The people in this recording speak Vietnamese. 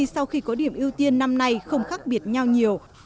sau khi có điểm ưu tiên năm nay không khác biệt nhau nhiều